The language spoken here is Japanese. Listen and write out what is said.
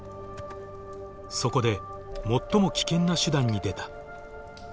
そこで最も危険な手段に出た。